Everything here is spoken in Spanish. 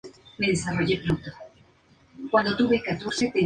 La denominada "crisis de la izquierda".